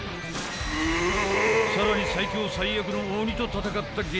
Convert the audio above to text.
［さらに最強最悪の鬼と戦った激あつバトルに］